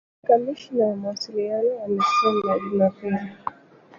kamishna wa mawasiliano amesema Jumapili